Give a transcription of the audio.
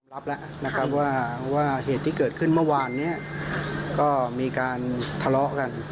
รับแล้วนะครับว่าเหตุที่เกิดขึ้นเมื่อวานเนี่ยก็มีการทะเลาะกัน